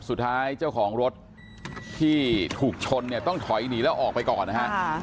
เจ้าของรถที่ถูกชนเนี่ยต้องถอยหนีแล้วออกไปก่อนนะฮะ